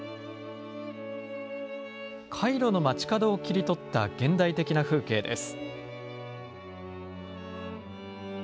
カイロの街角を切り取った現代的な風景です。